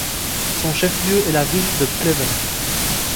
Son chef-lieu est la ville de Pleven.